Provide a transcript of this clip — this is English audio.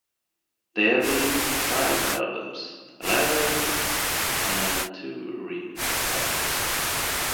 They have released five albums, a live album, and two remix albums.